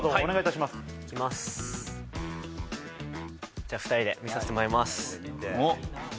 じゃあ２人で見させてもらいます。